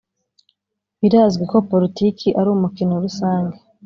birazwi ko politiki ari umukino rusange .